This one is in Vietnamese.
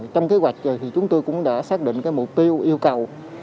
trong kế hoạch thì chúng tôi cũng đã xác định mục tiêu yêu cầu